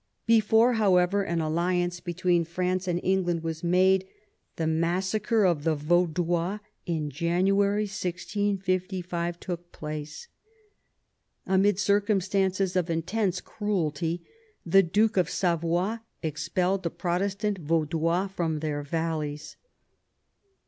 Before, however, an alliance between France and England was made, the massacre of the Vaudois in January 1655 took place. Amid circumstances of intense cruelty the Duke of Savoy expelled the Protestant Vaudois from their valleys.